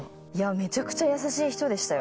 めちゃくちゃ優しい人でしたよ。